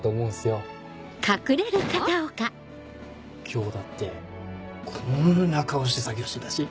今日だってこんな顔して作業してたし。